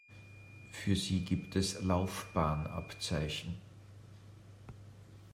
Für sie gibt es Laufbahnabzeichen.